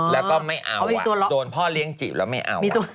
แล้วก็ไม่เอาโดนพ่อเลี้ยงจีบแล้วไม่เอา